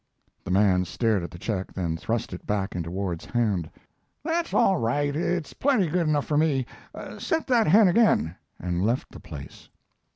The man stared at the check, then thrust it back into Ward's hand. "That's all right. It's plenty good enough for me. Set that hen again," and left the place.